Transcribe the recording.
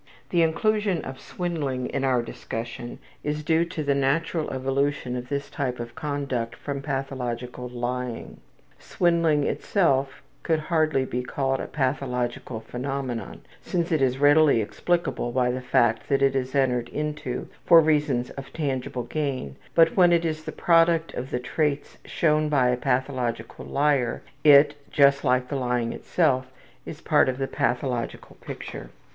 The inclusion of swindling in our discussion is due to the natural evolution of this type of conduct from pathological lying. Swindling itself could hardly be called a pathological phenomenon, since it is readily explicable by the fact that it is entered into for reasons of tangible gain, but when it is the product of the traits shown by a pathological liar it, just as the lying itself, is a part of the pathological picture.